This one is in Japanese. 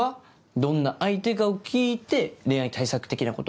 どんな相手かを聞いて恋愛対策的なこと？